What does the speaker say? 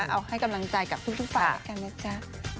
เอาให้กำลังใจกับทุกฝ่ายแล้วกันนะจ๊ะ